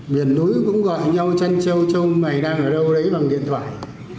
biển núi cũng gọi nhau chân châu châu mày đang ở đâu đấy bằng điện thoại